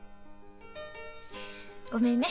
ごめんね。